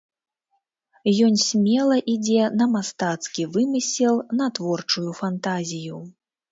Ён смела ідзе на мастацкі вымысел, на творчую фантазію.